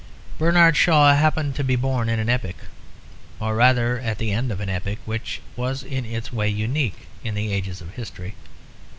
Bernard Shaw happened to be born in an epoch, or rather at the end of an epoch, which was in its way unique in the ages of history.